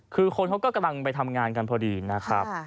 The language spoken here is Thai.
คือคนเขาก็กำลังไปทำงานกันพอดีนะครับ